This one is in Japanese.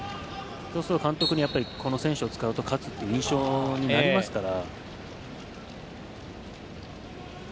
そうすると監督にこの選手を使うと勝つという印象にもなりますから。